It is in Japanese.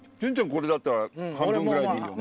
これだったら半分ぐらいでいいよね。